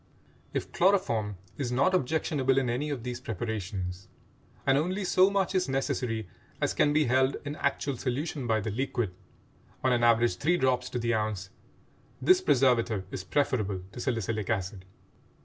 If chloroform is not objectionable in any of these preparations—and only so much is necessary as can be held in actual solution by the liquid, on an average three drops to the ounce—this preservative is preferable to salicylic acid.